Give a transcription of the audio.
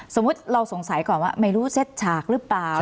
สมมุติเราสงสัยก่อนว่าไม่รู้เซ็ตฉากหรือเปล่า